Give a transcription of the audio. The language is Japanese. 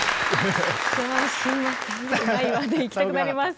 でいきたくなります。